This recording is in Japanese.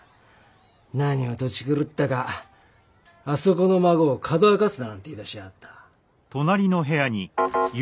何をとち狂ったかあそこの孫をかどわかすだなんて言いだしやがった。